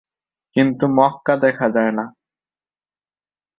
কিন্তু মক্কা দেখা যায় না।